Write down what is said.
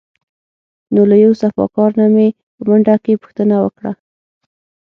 له یو صفاکار نه مې په منډه کې پوښتنه وکړه.